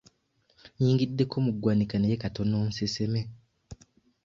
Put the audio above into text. Nnyingiddeko mu ggwanika naye katono nseseme.